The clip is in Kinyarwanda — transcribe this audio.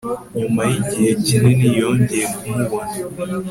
nyuma yigihe kinini yongeye kumubona